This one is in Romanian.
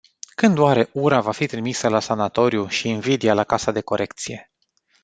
Când oare ura va fi trimisă la sanatoriu și invidia la casa de corecție?